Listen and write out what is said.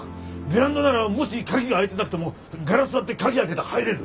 ベランダならもし鍵が開いてなくてもガラス割って鍵開けて入れる。